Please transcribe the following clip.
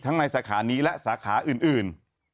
ในสาขานี้และสาขาอื่น